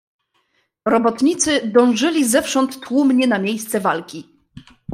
"Robotnicy dążyli zewsząd tłumnie na miejsce walki."